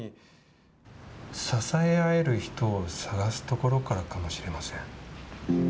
支え合える人を探すところかもしれません。